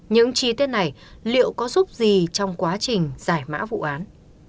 những chi tiết này liệu có giúp gì trong quá trình giải mã vụ án